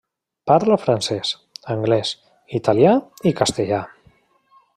Parla francès, anglès, italià i castellà.